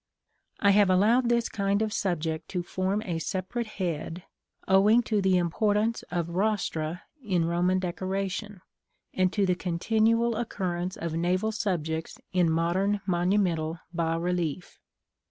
I have allowed this kind of subject to form a separate head, owing to the importance of rostra in Roman decoration, and to the continual occurrence of naval subjects in modern monumental bas relief.